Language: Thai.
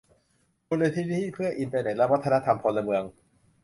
มูลนิธิเพื่ออินเทอร์เน็ตและวัฒนธรรมพลเมือง